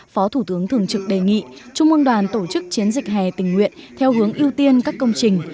phó thủ tướng thường trực đề nghị trung ương đoàn tổ chức chiến dịch hè tình nguyện theo hướng ưu tiên các công trình